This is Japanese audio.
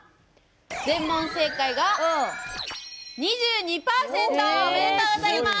全問正解が２２％！おめでとうございます。